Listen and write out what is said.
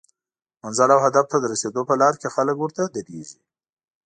منزل او هدف ته د رسیدو په لار کې خلک ورته دریږي